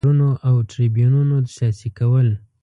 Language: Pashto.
منبرونو او تریبیونونو سیاسي کول.